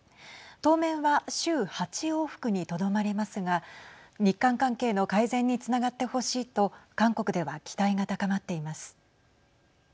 当面は週８往復にとどまりますが日韓関係の改善につながってほしいと韓国では期待が高まっています。